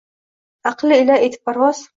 Аql ila etib parvoz